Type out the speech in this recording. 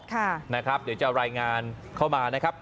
ค่ะนะครับเดี๋ยวจะรายงานเข้ามานะครับ